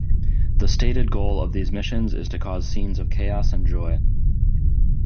The stated goal of these missions is to cause scenes of chaos and joy.